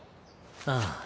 ああ。